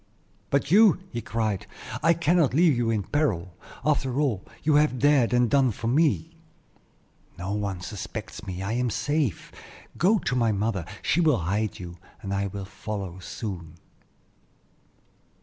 "But you?" he cried; "I cannot leave you in peril, after all you have dared and done for me." "No one suspects me; I am safe. Go to my mother; she will hide you, and I will follow soon."